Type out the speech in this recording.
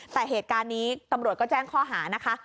แต่เหตุการณ์นี้ตำรวจก็แจ้งข้อหานะคะ